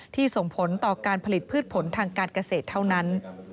ส่งผลต่อการผลิตพืชผลทางการเกษตรเท่านั้น